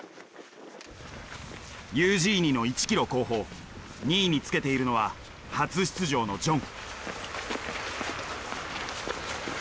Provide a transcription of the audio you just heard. ユージーニの１ｋｍ後方２位につけているのは初出場のジョン。